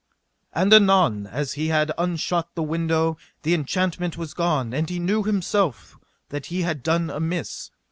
And anon as he had unshut the window the enchantment was gone; then he knew himself that he had done amiss.